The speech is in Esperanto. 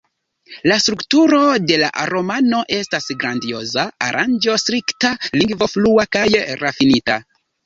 La strukturo de la romano estas grandioza, aranĝo strikta, lingvo flua kaj rafinita.